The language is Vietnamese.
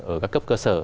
ở các cấp cơ sở